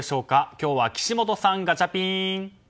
今日は岸本さん、ガチャピン！